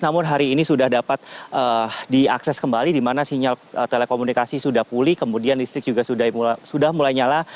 namun hari ini sudah dapat diakses kembali di mana sinyal telekomunikasi sudah pulih kemudian listrik juga sudah mulai nyala